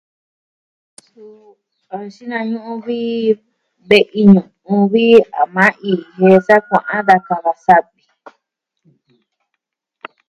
Suu a nxinañu'u vi ve'i ñu'u vi a maa ii jie'e sa kua'an da kava savi.